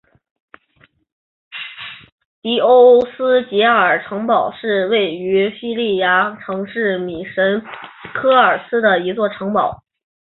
迪欧斯捷尔城堡是位于匈牙利城市米什科尔茨的一座城堡。